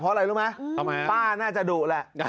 เพราะอะไรรู้มั้ยป้าน่าจะดุละ